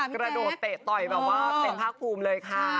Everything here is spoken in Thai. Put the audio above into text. กระโดดเตะต่อยแบบว่าเต็มภาคภูมิเลยค่ะ